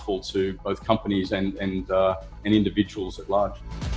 untuk kedua dua perusahaan dan individu besar